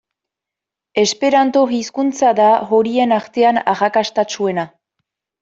Esperanto hizkuntza da horien artean arrakastatsuena.